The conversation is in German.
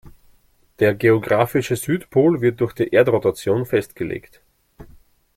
Der Geographische Südpol wird durch die Erdrotation festgelegt.